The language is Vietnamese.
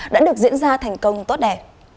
đã được diễn ra thành công tốt đẻ